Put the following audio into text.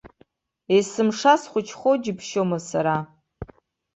Есымша схәыҷхо џьыбшьома сара.